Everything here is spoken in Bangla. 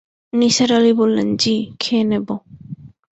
নিসার আলি বললেন, জ্বি, খেয়ে নেব।